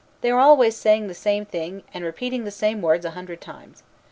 They are always saying the same thing, and repeating the same words a hundred times.